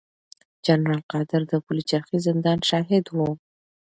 جنرال قادر د پلچرخي زندان شاهد و.